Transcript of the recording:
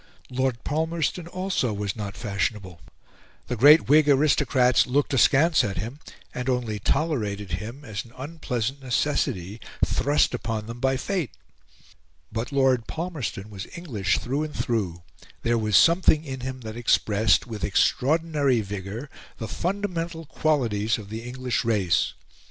Lord Palmerston, also, was not fashionable; the great Whig aristocrats looked askance at him, and only tolerated him as an unpleasant necessity thrust upon them by fate. But Lord Palmerston was English through and through, there was something in him that expressed, with extraordinary vigour, the fundamental qualities of the English race.